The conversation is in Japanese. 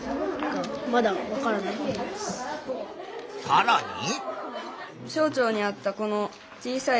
さらに。